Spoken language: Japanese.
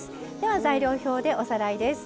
材料表でおさらいです。